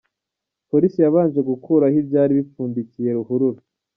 Polisi yabanje gukuraho ibyari bipfundikiye ruhurura.